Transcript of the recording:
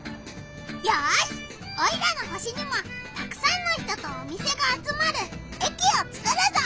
オイラの星にもたくさんの人とお店が集まる駅をつくるぞ！